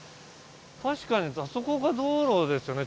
確かにあそこが道路ですよね。